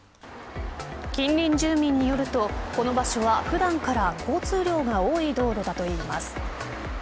近隣住民によるとこの場所は普段から交通量が多い道路だといいます。